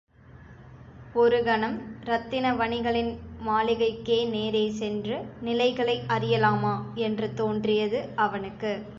ஒருகணம் இரத்தின வணிகளின் மாளிகைக்கே நேரே சென்று நிலைகளை அறியலாமா என்று தோன்றியது அவனுக்கு.